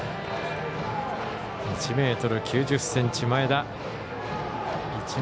１ｍ９０ｃｍ、前田。